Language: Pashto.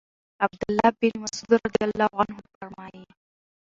عَبْد الله بن مسعود رضی الله عنه فرمايي: